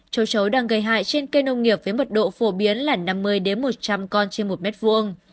châu chấu đang gây hại trên cây nông nghiệp với mật độ phổ biến là năm mươi một trăm linh con trên một m hai